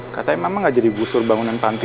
katanya mama gak jadi gusur bangunan panti